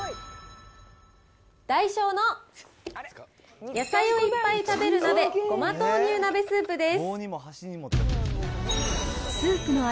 ダイショーの野菜をいっぱい食べる鍋ごま豆乳鍋スープです。